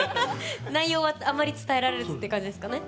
内容はあまり伝えられずって感じですかね？